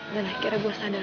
dan akhirnya gue sadar